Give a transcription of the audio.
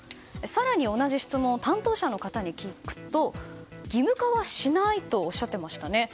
更に、同じ質問を担当者の方にすると義務化はしないとおっしゃっていましたね。